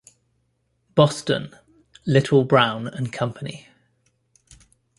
Boston: Little, Brown and Company.